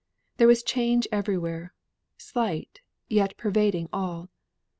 There was change everywhere; slight, yet pervading all.